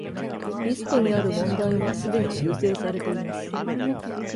リストにある問題はすでに修正されています